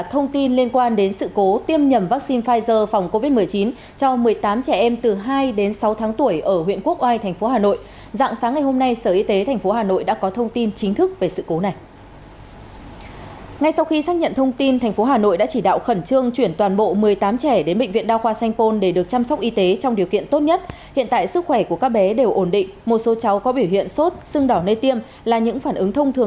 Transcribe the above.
hãy đăng ký kênh để ủng hộ kênh của chúng mình nhé